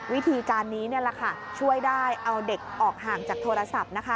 วิธีการนี้ช่วยได้เอาเด็กออกห่างจากโทรศัพท์